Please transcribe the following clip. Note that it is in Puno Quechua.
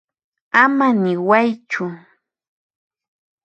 Ama niwaychu.